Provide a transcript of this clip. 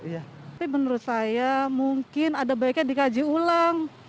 tapi menurut saya mungkin ada baiknya dikaji ulang